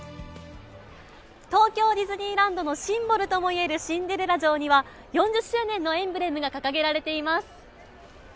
東京ディズニーランドのシンボルともいえるシンデレラ城には、４０周年のエンブレムが掲げられています。